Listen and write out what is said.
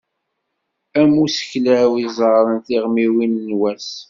Am umseklaw iẓerren tiɣmiwin n wass